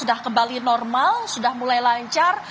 sudah kembali normal sudah mulai lancar